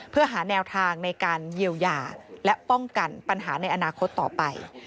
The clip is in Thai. เพื่อหาแนวทางในการเยียวยาและป้องกันปัญหาในอนาคตต่อไป